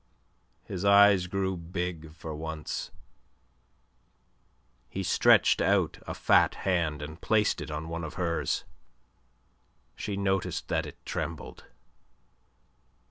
His eyes grew big for once. He stretched out a fat hand, and placed it on one of hers. She noticed that it trembled.